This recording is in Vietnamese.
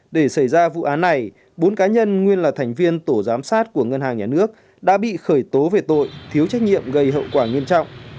để xảy ra vụ án này bốn cá nhân nguyên là thành viên tổ giám sát của ngân hàng nhà nước đã bị khởi tố về tội thiếu trách nhiệm gây hậu quả nghiêm trọng